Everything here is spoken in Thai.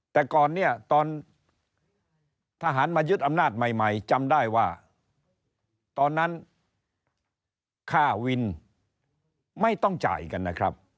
แต่ก่อนเนี่ยตอนทหารมายึดอำนาจใหม่จำได้ว่าตอนนั้นค่าวินไม่ต้องจ่ายกันนะครับ